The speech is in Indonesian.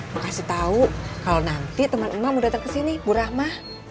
mau kasih tau kalau nanti teman emak mau datang kesini bu rahma